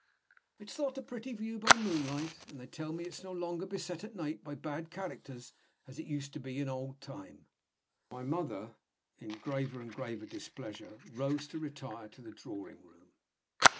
It's thought a pretty view by moonlight; and they tell me it's no longer beset at night by bad characters, as it used to be in the old time." My mother, in graver and graver displeasure, rose to retire to the drawing room.